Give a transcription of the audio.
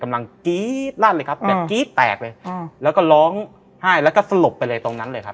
กรี๊ดลั่นเลยครับแบบกรี๊ดแตกเลยแล้วก็ร้องไห้แล้วก็สลบไปเลยตรงนั้นเลยครับ